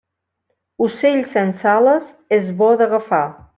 Ocell sense ales és bo d'agafar.